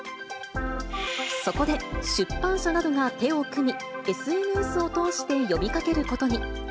そこで、出版社などが手を組み、ＳＮＳを通して呼びかけることに。